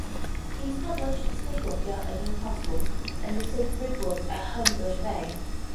He established the State Dockyard at Newcastle and the State Brickworks at Homebush Bay.